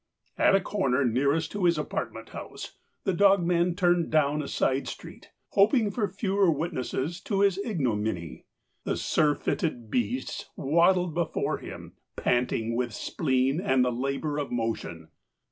At a corner nearest to his apartment house the dogman turned down a side street, hoping for fewer witnesses to his ignominy. The surfeited beast waddled before him, panting with spleen and the labour of motion.